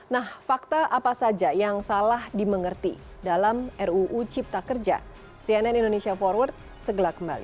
nah fakta apa saja yang salah dimengerti dalam ruu cipta kerja cnn indonesia forward segera kembali